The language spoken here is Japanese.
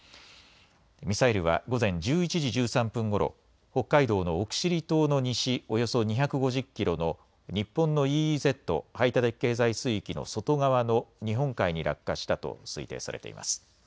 ミサイルは午前１１時１３分ごろ、北海道の奥尻島の西およそ２５０キロの日本のＥＥＺ・排他的経済水域の外側の日本海に落下したと推定されています。